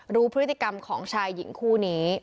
รู้พฤติกรรมของชายหญิงคู่นี้